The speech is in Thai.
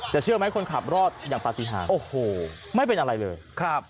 เชื่อไหมคนขับรอดอย่างปฏิหารโอ้โหไม่เป็นอะไรเลยครับ